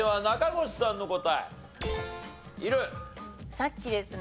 さっきですね